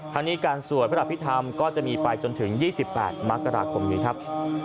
ทางนี้การสวดพระอภิษฐรรมก็จะมีไปจนถึง๒๘มกราคมนี้ครับ